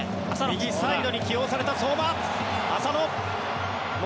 右サイドに起用された相馬。